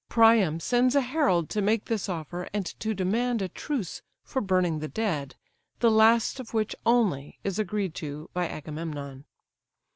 Priam sends a herald to make this offer, and to demand a truce for burning the dead, the last of which only is agreed to by Agamemnon.